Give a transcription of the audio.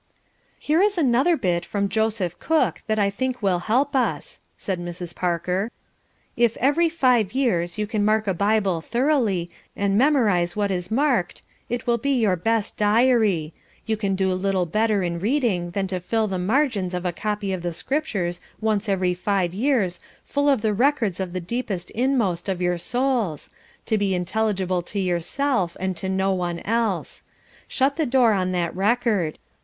"Here is another bit from Joseph Cook that I think will help us," said Mrs. Parker. "'If every five years you can mark a Bible thoroughly, and memorise what is marked, it will be your best diary. You can do little better in reading than to fill the margins of a copy of the Scriptures once every five years full of the records of the deepest inmost in your souls, to be intelligible to yourself and to no one else. Shut the door on that record.